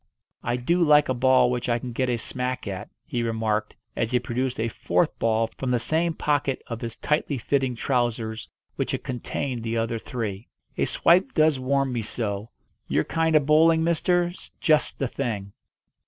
"I do like a ball which I can get a smack at," he remarked as he produced a fourth ball from the same pocket of his tightly fitting trousers which had contained the other three. "A swipe does warm me so. Your kind of bowling, mister, 's just the thing."